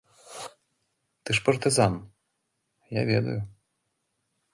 Ты ж партызан, я ведаю.